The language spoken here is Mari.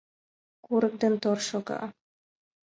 Курык ден тор шога.